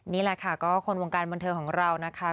นี่แหละค่ะก็คนวงการบันเทิงของเรานะคะ